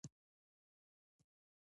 سړک داسې دی لکه د کږې ونې پر ډډ.